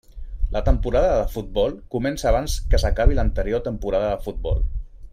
La temporada de futbol comença abans que s'acabi l'anterior temporada de futbol.